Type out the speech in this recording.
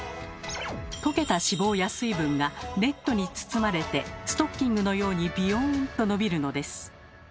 溶けた脂肪や水分がネットに包まれてストッキングのようにビヨンと伸びるのです。